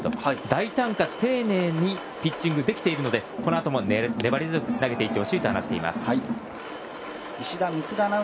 大胆かつ丁寧にピッチングできているのでこのあとも粘り強く投げていってほしいと話しています。